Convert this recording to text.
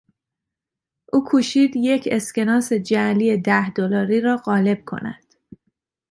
او کوشید یک اسکناس جعلی ده دلاری را قالب کند.